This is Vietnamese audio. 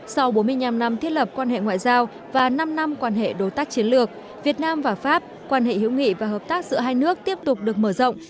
sau bốn mươi năm năm thiết lập quan hệ ngoại giao và năm năm quan hệ đối tác chiến lược việt nam và pháp quan hệ hữu nghị và hợp tác giữa hai nước tiếp tục được mở rộng